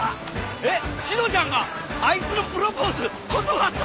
えっ志乃ちゃんがあいつのプロポーズ断った！？